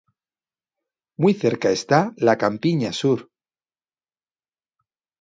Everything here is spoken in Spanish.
Muy cerca está la Campiña Sur.